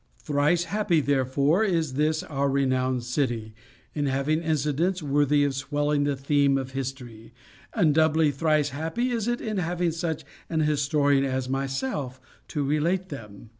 Thrice happy, therefore, is this our renowned city, in having incidents worthy of swelling the theme of history; and doubly thrice happy is it in having such an historian as myself to relate them.